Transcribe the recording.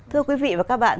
thưa quý vị và các bạn